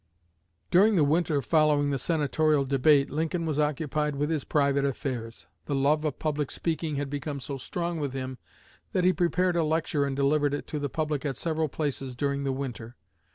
'" During the winter following the Senatorial debate Lincoln was occupied with his private affairs. The love of public speaking had become so strong with him that he prepared a lecture and delivered it to the public at several places during the winter.